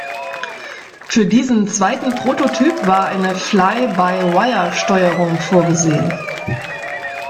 Für diesen zweiten Prototyp war eine Fly-by-wire-Steuerung vorgesehen.